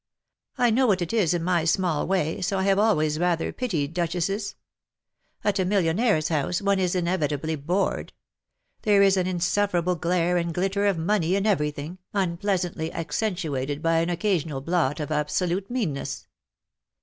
I know what it is in my small way, so I have always rather pitied duchesses. At a millionairess house one is inevitably bored. There is an insuff'erable glare and glitter of money in everything, unplea WE DRAW NIGH THEE." 1?5 sautly accentuated by an occasional blot of abso lute meanness.